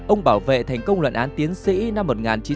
ông bảo vệ thành công luận án tiến sĩ năm một nghìn chín trăm tám mươi sáu